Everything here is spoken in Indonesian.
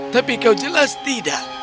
tapi kau jelas tidak